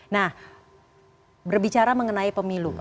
nah berbicara mengenai pemilu